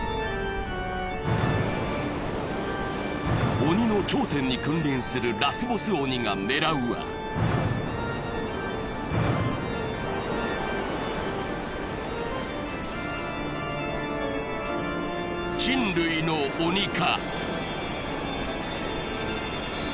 鬼の頂点に君臨するラスボス鬼が狙うは人類の鬼化。